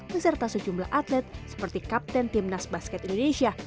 beserta sejumlah atlet seperti kapten timnas basket indonesia